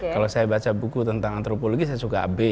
kalau saya baca buku tentang antropologi saya suka ab